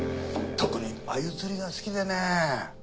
特にアユ釣りが好きでね。